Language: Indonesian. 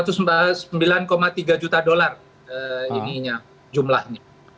ya satu ratus sembilan tiga juta dolar jumlahnya